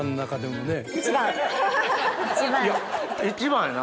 １番やな。